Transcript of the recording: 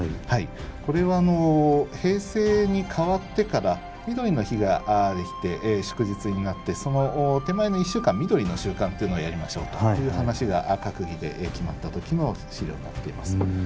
これは平成に変わってからみどりの日ができて祝日になってその手前の１週間みどりの週間というのをやりましょうという話が閣議で決まった時の資料になっています。